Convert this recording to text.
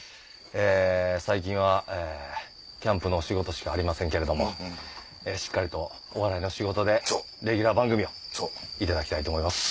最近はキャンプの仕事しかありませんけれどもしっかりとお笑いの仕事でレギュラー番組を頂きたいと思います。